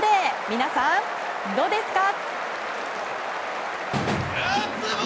皆さん、どうですか？